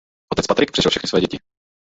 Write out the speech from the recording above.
Otec Patrick přežil všechny své děti.